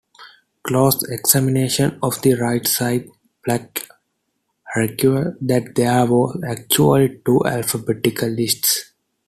Close examination of the right-side plaque reveals that there were actually two alphabetical lists.